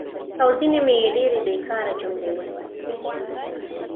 او ځینې مې ډېرې بېکاره جملې ولوستي.